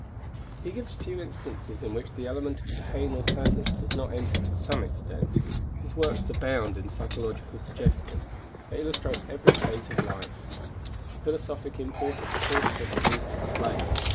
He gives few instances in which the element of pain or sadness does not enter to some extent. His works abound in psychological suggestion; they illustrate every phase of life. The philosophic import of the Fourth Symphony is plain.